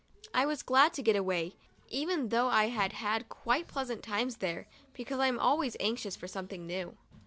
I was glad to get away, even though I had had quite pleasant times there, because I'm always anxious for something new.